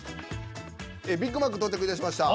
ビッグマック到着いたしました。